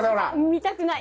見たくない！